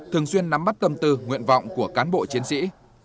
thường xuyên nắm bắt tâm tư nguyện vọng của cán bộ chiến sĩ